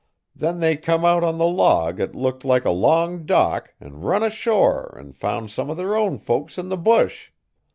Then they come out on the log 'et looked like a long dock an' run ashore 'n' foun' some o' their own folks in the bush.